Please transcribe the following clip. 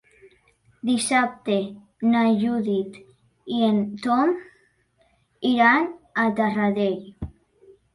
Dissabte na Judit i en Tom iran a Taradell.